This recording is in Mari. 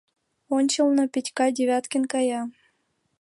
Ончылно Петька Девяткин кая.